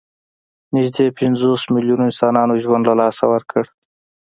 نږدې پنځوس میلیونو انسانانو ژوند له لاسه ورکړ.